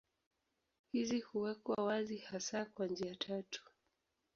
Hizi huwekwa wazi hasa kwa njia tatu.